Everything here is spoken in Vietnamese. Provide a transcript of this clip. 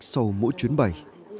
sau mỗi chuyến bay